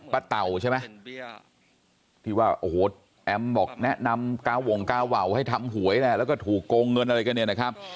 เต่าใช่ไหมที่ว่าโอ้โหแอมบอกแนะนำกาวงกาวาวให้ทำหวยแหละแล้วก็ถูกโกงเงินอะไรกันเนี่ยนะครับ